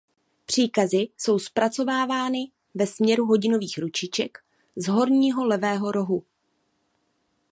Příkazy jsou zpracovávány ve směru hodinových ručiček z horního levého rohu.